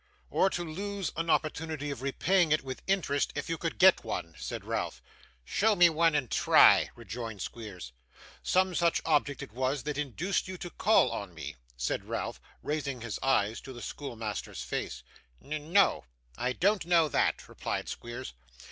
'Or to lose an opportunity of repaying it with interest, if you could get one?' said Ralph. 'Show me one, and try,' rejoined Squeers. 'Some such object it was, that induced you to call on me?' said Ralph, raising his eyes to the schoolmaster's face. 'N n no, I don't know that,' replied Squeers.